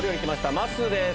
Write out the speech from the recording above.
まっすーです。